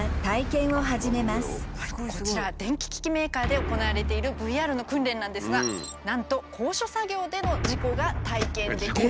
こちら電気機器メーカーで行われているＶＲの訓練なんですがなんと高所作業での事故が体験できる。